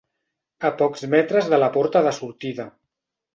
A pocs metres de la porta de sortida.